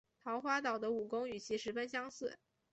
桃花岛的武功与其十分相似。